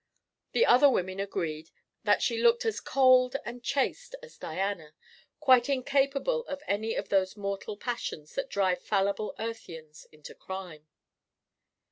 The other women agreed that she looked as cold and chaste as Diana, quite incapable of any of those mortal passions that drive fallible Earthians into crime.